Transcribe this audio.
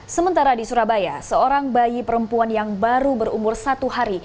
sementara di surabaya seorang bayi perempuan yang baru berumur satu hari